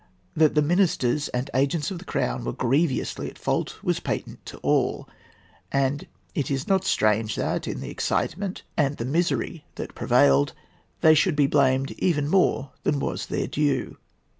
That the ministers and agents of the Crown were grievously at fault was patent to all; and it is not strange that, in the excitement and the misery that prevailed, they should be blamed even more than was their due.